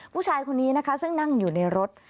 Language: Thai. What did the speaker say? ผู้ชายคนนี้นะคะซึ่งนั่งอยู่ในรถ